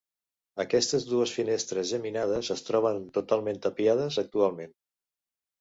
Aquestes dues finestres geminades es troben totalment tapiades actualment.